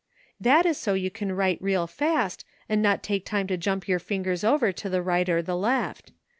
That is so you can write real fast, and not take time to jump your fingers over to the right or the left.